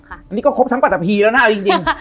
อันนี้ก็ครบทั้งปัตตะพีแล้วนะเอาจริง